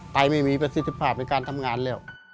ไตไม่มีประสิทธิภาพในการทำงานแล้ว